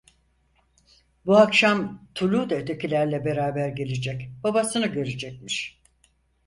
Bu akşam Tulu da ötekilerle beraber gelecek, babasını görecekmiş.